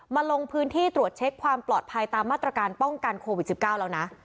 ลงพื้นที่ตรวจเช็คความปลอดภัยตามมาตรการป้องกันโควิด๑๙แล้วนะ